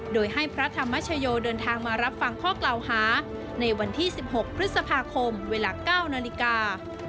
โดยให้พระธรรมชโยเดินทางมารับฟังข้อกล่าวหาในวันที่๑๖พฤษภาคมเวลา๙นาฬิกา